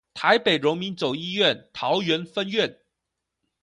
台北榮民總醫院桃園分院